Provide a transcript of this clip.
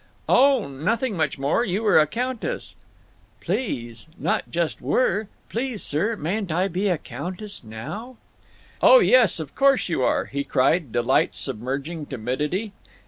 "Oh, nothing much more. You were a countess—" "Please! Not just 'were.' Please, sir, mayn't I be a countess now?" "Oh yes, of course you are!" he cried, delight submerging timidity.